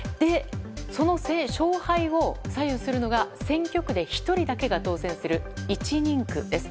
その勝敗を左右するのが選挙区で１人だけが当選する１人区です。